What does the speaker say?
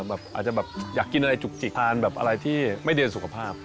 อาจจะอยากกินอะไรจุกทานอะไรที่ไม่เดียนสุขภาพ